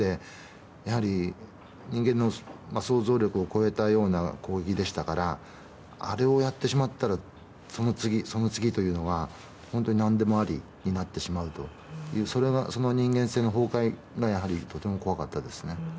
やはり、人間の想像力を超えたような攻撃でしたからあれをやってしまったらその次、その次というのは本当になんでもありになってしまうというその人間性の崩壊がとても怖かったですね。